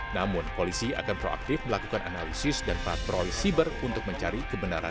namun polisi akan proaktif melakukan analisis dan patroli siber untuk mencari kebenaran